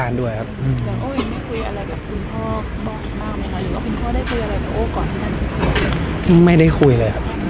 สวัสดีครับ